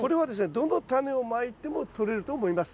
どのタネをまいてもとれると思います。